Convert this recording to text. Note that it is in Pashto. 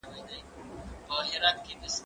زه اجازه لرم چي کتابونه وړم؟